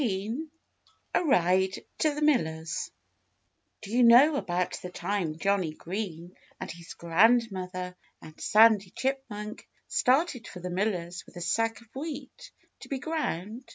XIII A RIDE TO THE MILLER'S Do you know about the time Johnnie Green and his grandmother and Sandy Chipmunk started for the miller's with a sack of wheat to be ground?